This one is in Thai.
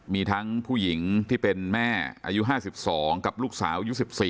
มีทั้งผู้หญิงที่เป็นแม่อายุ๕๒กับลูกสาวอายุ๑๔